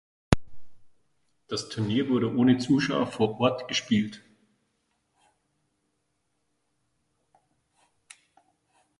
Das Turnier wurde ohne Zuschauer vor Ort gespielt.